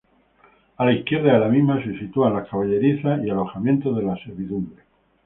A la izquierda de la misma se sitúan las caballerizas y alojamientos de servidumbre.